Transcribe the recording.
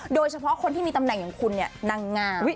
โดยเฉพาะคนที่มีตำแหน่งอย่างคุณเนี่ยนางงาม